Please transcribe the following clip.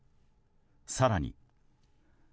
更に。